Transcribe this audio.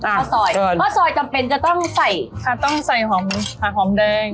ข้าวซอยข้าวซอยจำเป็นจะต้องใส่ค่ะต้องใส่หอมค่ะหอมแดง